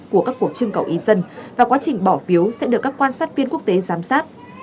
của các cuộc trưng cầu ý dân và quá trình bỏ phiếu sẽ được các quan sát viên quốc tế giám sát